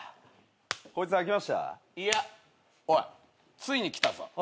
ついに来たぞ。